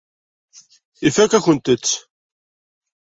Ifakk-akent-tt.